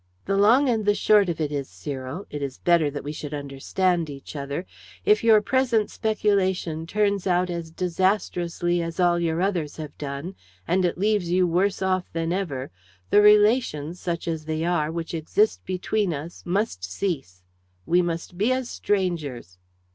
"The long and the short of it is, Cyril it is better that we should understand each other! if your present speculation turns out as disastrously as all your others have done, and it leaves you worse off than ever, the relations, such as they are, which exist between us must cease. We must be as strangers!"